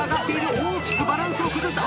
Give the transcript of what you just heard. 大きくバランスを崩した。